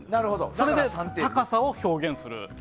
それで高さを表現する。